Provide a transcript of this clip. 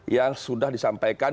yang sudah disampaikan